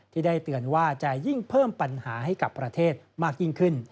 ที่ได้เตือนว่าจะยิ่งเพิ่มปัญหาให้กับประเทศมากยิ่งขึ้น